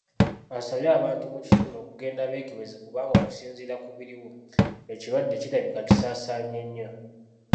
Asabye abantu mu kitundu okugenda beekebeze kubanga okusinziira ku biriwo ekirwadde kirabika kisaasaanye nyo.